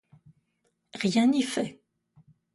Rien n'y fait.